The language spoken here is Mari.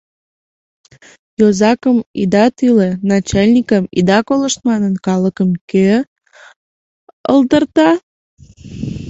Йозакым ида тӱлӧ, начальникым ида колышт манын, калыкым кӧ ылдырта?